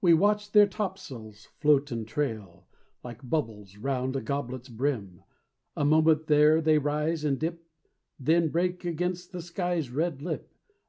We watch their topsails float and trail Like bubbles 'round a goblet's brim, A moment there they rise and dip, Then break against the sky's red lip.